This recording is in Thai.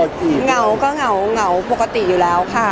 ส่วนก็เหงาปกติอยู่แล้ว